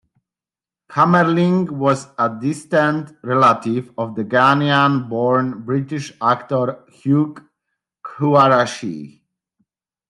Kamerling was a distant relative of the Ghanaian-born British actor Hugh Quarshie.